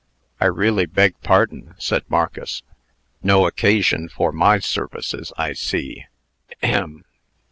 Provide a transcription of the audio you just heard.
"I really beg pardon," said Marcus. "No occasion for my services, I see ahem!"